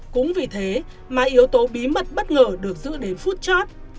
cũng vì thế mà yếu tố bí mật bất ngờ được giữ đến phút chót